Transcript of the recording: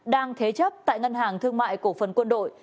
đang thế chấp tại ngân hàng thương mại cổ phần quân đội